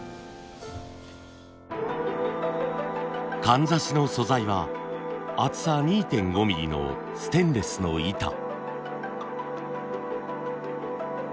かんざしの素材は厚さ２．５ミリのステンレスの板。